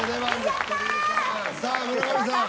さあ村上さん。